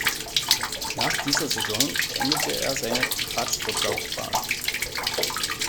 Nach dieser Saison beendete er seine Radsport-Laufbahn.